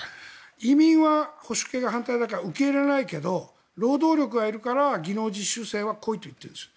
移民は保守系が反対だから受け入れられないけど労働力はいるから技能実習生は来いと言っているんです。